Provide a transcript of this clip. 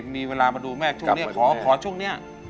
มีเวลามาดูแม่ช่วงนี้ขอช่วงนี้